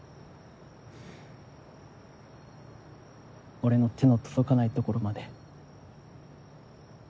俺の手の届かないところまで。